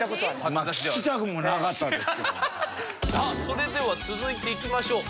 さあそれでは続いていきましょう。